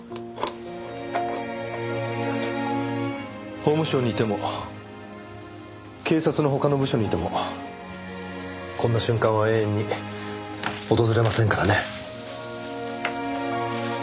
法務省にいても警察の他の部署にいてもこんな瞬間は永遠に訪れませんからね。